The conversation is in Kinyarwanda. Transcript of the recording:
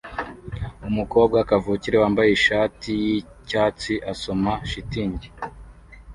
Umukobwa kavukire wambaye ishati yicyatsi asoma shitingi